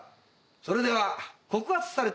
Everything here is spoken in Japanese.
それでは告発された宗方先生